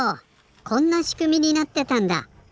こんなしくみになってたんだ！